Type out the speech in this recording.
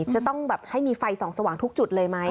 จะต้องแบบให้มีไฟส่องสว่างทุกจุดเลยไหม